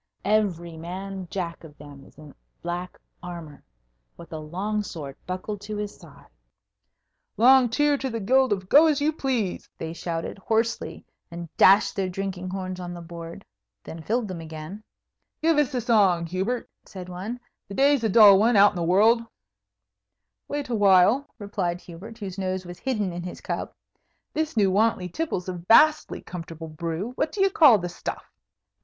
Every man jack of them is in black armour, with a long sword buckled to his side. "Long cheer to the Guild of Go as you Please!" they shouted, hoarsely, and dashed their drinking horns on the board. Then filled them again. "Give us a song, Hubert," said one. "The day's a dull one out in the world." "Wait a while," replied Hubert, whose nose was hidden in his cup; "this new Wantley tipple is a vastly comfortable brew. What d'ye call the stuff?"